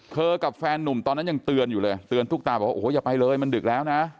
กับแฟนนุ่มตอนนั้นยังเตือนอยู่เลยเตือนตุ๊กตาบอกว่าโอ้โหอย่าไปเลยมันดึกแล้วนะ